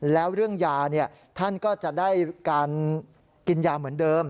แล้วเรื่องยาท่านก็จะได้การกินยาเหมือนเดิม